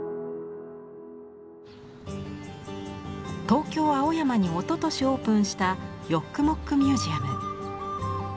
東京・青山におととしオープンしたヨックモックミュージアム。